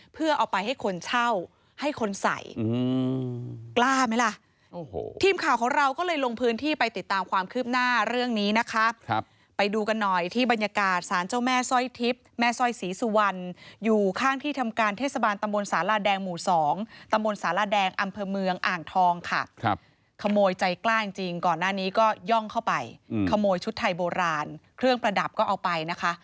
เพื่อมาเอาไปให้คนเช่าให้คนใส